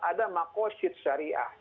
ada makosyid syariah